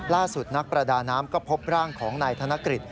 นักประดาน้ำก็พบร่างของนายธนกฤษ